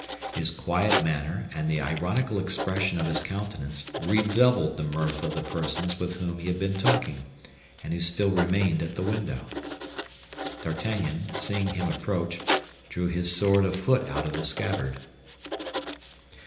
His quiet manner and the ironical expression of his countenance redoubled the mirth of the persons with whom he had been talking, and who still remained at the window. D'Artagnan, seeing him approach, drew his sword a foot out of the scabbard.